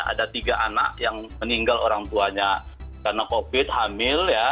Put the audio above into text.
ada tiga anak yang meninggal orang tuanya karena covid hamil ya